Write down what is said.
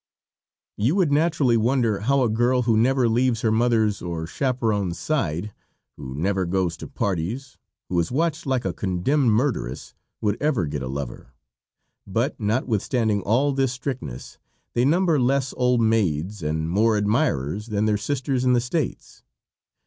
You would naturally wonder how a girl who never leaves her mother's or chaperon's side, who never goes to parties, who is watched like a condemned murderess, would ever get a lover; but notwithstanding all this strictness they number less old maids and more admirers than their sisters in the States.